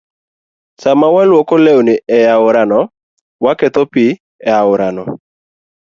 Sama walwoko lewni e aorano, waketho pi aorano.